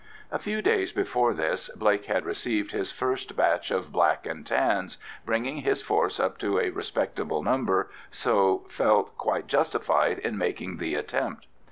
A few days before this Blake had received his first batch of "Black and Tans," bringing his force up to a respectable number, so felt quite justified in making the attempt.